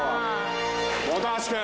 本橋君。